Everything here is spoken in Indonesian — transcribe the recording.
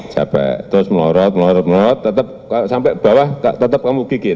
capek terus melorot melorot melot tetap sampai bawah tetap kamu gigit